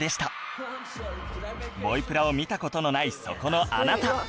『ボイプラ』を見た事のないそこのあなた